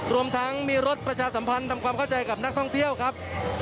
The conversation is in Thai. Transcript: รวมทั้งมีรถประชาสัมพันธ์ทำความเข้าใจกับนักท่องเที่ยวครับ